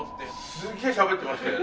すげえしゃべってましたよね。